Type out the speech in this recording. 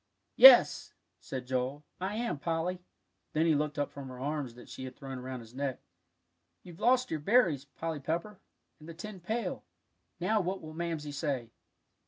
"Yes," said Joel, "I am, Polly;" then he looked up from her arms that she had thrown around his neck. "You've lost your berries, Polly Pepper, and the tin pail. Now what will Mamsie say?"